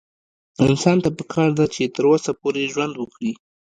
انسان ته پکار ده چې تر وسه پورې ژوند وکړي